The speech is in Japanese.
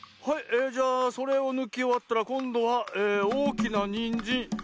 「はいえじゃあそれをぬきおわったらこんどはおおきなにんじん。